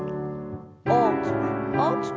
大きく大きく。